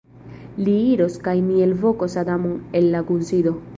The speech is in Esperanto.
Li iros kaj mi elvokos Adamon el la kunsido.